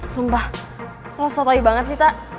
sumpah lo sotoi banget sih tak